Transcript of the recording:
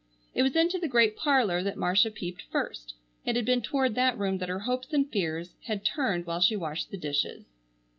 It was into the great parlor that Marcia peeped first. It had been toward that room that her hopes and fears had turned while she washed the dishes.